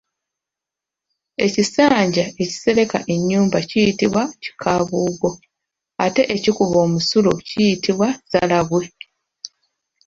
Ekisanja ekisereka ennyumba kiyitibwa Kikaabugo ate ekikuba omusulo kiyitibwa Ssalabwe.